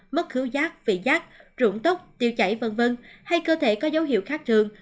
mất khứ giác vị giác rụng tốc tiêu chảy v v hay cơ thể có dấu hiệu khác thường